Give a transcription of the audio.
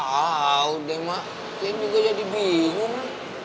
aduh mak saya juga jadi bingung